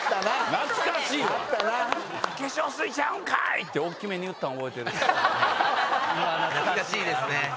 懐かしいですね。